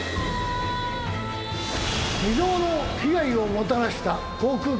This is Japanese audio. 未曽有の被害をもたらした航空機事故。